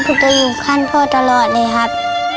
ผมจะอยู่ขั้นพ่อตลอดเลยครับ